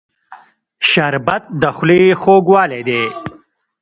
شربت د خولې خوږوالی دی